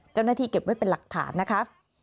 เจ้าหน้าที่เก็บไว้เป็นหลักฐานนะคะ